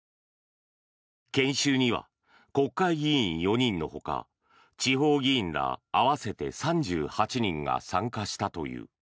研修には国会議員４人のほか地方議員ら合わせて３８人が参加したという。